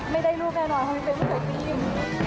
ไม่ได้รู้แม่นว่าคุณจะไปไหน